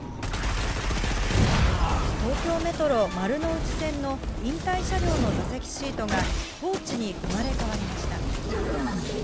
東京メトロ丸の内線の引退車両の座席シートが、ポーチに生まれ変わりました。